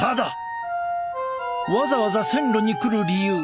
わざわざ線路に来る理由